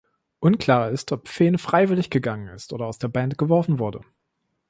Unklar ist, ob Fehn freiwillig gegangen ist oder aus der Band geworfen wurde.